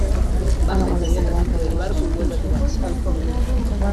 baja inmediatamente del barco y vuelve a tu balsa.